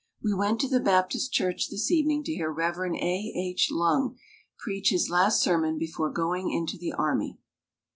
We went to the Baptist Church this evening to hear Rev. A. H. Lung preach his last sermon before going into the army.